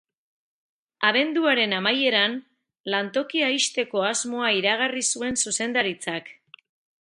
Abenduaren amaieran, lantokia ixteko asmoa iragarri zuen zuzendaritzak.